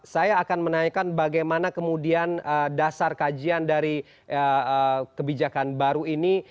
saya akan menanyakan bagaimana kemudian dasar kajian dari kebijakan baru ini